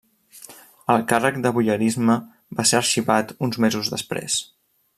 El càrrec de voyeurisme va ser arxivat uns mesos després.